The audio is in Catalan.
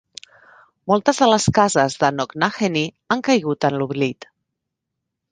Moltes de les cases de Knocknaheeny han caigut en l'oblit.